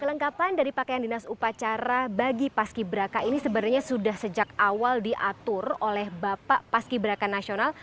kelengkapan dari pakaian dinas upacara bagi paski braka ini sebenarnya sudah sejak awal diatur oleh bapak paski beraka nasional